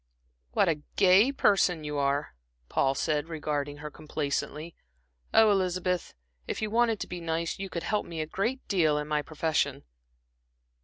"What a gay person you are!" Paul said, regarding her complacently. "Ah, Elizabeth, if you wanted to be nice, you could help me a great deal in my profession."